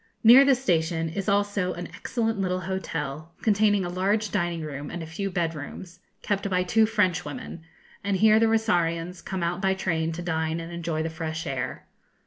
Near the station is also an excellent little hotel, containing a large dining room and a few bed rooms, kept by two Frenchwomen; and here the Rosarians come out by train to dine and enjoy the fresh air.